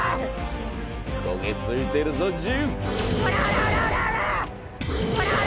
焦げついてるぞ、ジュ。